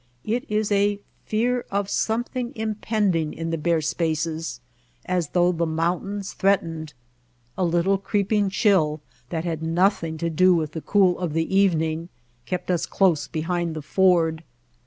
It is a fear of some thing impending in the bare spaces, as though the mountains threatened. A little creeping chill that had nothing to do with the cool of evening kept us close behind the Ford.